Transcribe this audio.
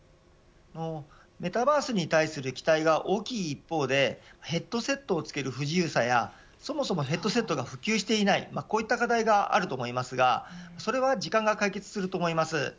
メタバースに対する期待が大きい一方でヘッドセットを着ける不自由さやそもそもヘッドセットが普及していない、こういう課題があると思いますがそれは時間が解決すると思います。